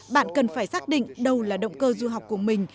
bạn cần phải xác định đâu là động cơ du học của mình